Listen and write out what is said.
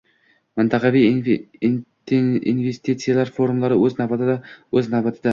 Mintaqaviy investitsiyalar forumlari o'z navbatida, o'z navbatida